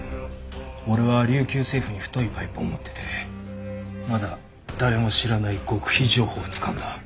俺は琉球政府に太いパイプを持っててまだ誰も知らない極秘情報をつかんだ。